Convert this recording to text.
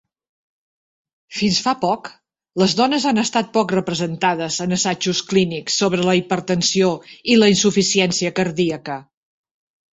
Fins fa poc les dones han estat poc representades en assajos clínics sobre la hipertensió i la insuficiència cardíaca.